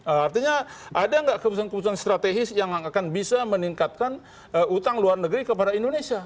artinya ada nggak keputusan keputusan strategis yang akan bisa meningkatkan utang luar negeri kepada indonesia